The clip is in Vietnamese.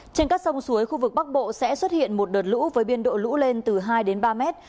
trên các sông suối khu vực bắc bộ sẽ xuất hiện một đợt lũ với biên độ lũ lên từ hai đến ba mét